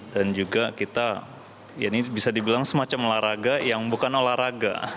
dan juga kita ini bisa dibilang semacam olahraga yang bukan olahraga